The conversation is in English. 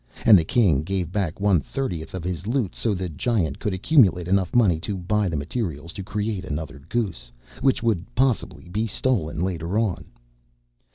And the King gave back one thirtieth of his loot so the Giant could accumulate enough money to buy the materials to create another goose. Which would, possibly, be stolen later on.